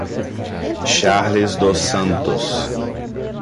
Charles dos Santos